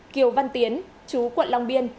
kiều văn tiến